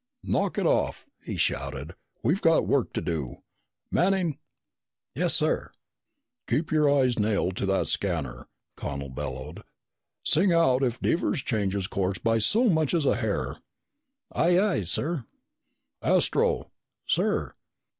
"Knock it off!" he shouted. "We've got work to do. Manning!" "Yes, sir?" "Keep your eyes nailed to that scanner!" Connel bellowed. "Sing out if Devers changes course by so much as a hair!" "Aye, aye, sir!" "Astro!" "Sir?"